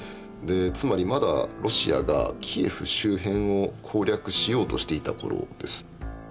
つまりまだロシアがキエフ周辺を攻略しようとしていた頃です。